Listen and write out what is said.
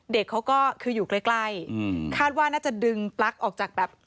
เด็กเขาก็คืออยู่ใกล้ใกล้คาดว่าน่าจะดึงปลั๊กออกจากแบบ